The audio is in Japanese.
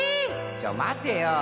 ちょまてよ！